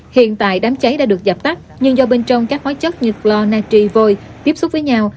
hiện tại đám cháy đã được dập tắt nhưng do bên trong các hóa chất như chlonatrio tiếp xúc với nhau